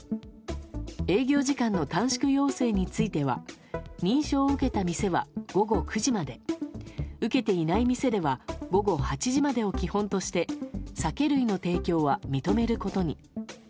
営業時間の短縮要請については認証を受けた店は午後９時まで受けていない店では午後８時までを基本として酒類の提供は認めることに。